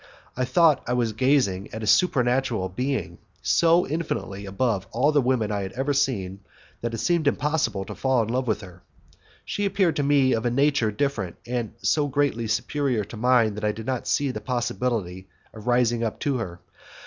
I thought I was gazing at a supernatural being, so infinitely above all the women I had ever seen, that it seemed impossible to fall in love with her She appeared to me of a nature different and so greatly superior to mine that I did not see the possibility of rising up to her.